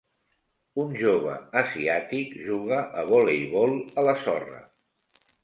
Un jove asiàtic juga a voleibol a la sorra.